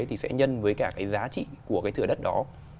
thì sẽ nhân với cả cái giá trị của cái thửa đất đó